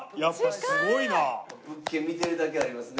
物件見てるだけありますね。